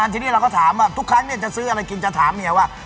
ทีนี้เราก็ถามว่าทุกครั้งจะซื้ออะไรกินจะถามเมียว่า